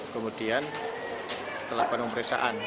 kemudian telah penuh periksaan